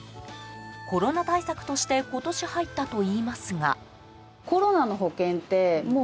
コロナ対策として今年入ったといいますが。